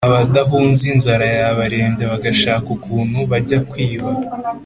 abadahunze inzara yabarembya bagashaka ukuntu bajya kwiba